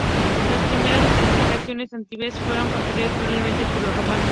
Las primeras fortificaciones en Antibes fueron construidas probablemente por los romanos.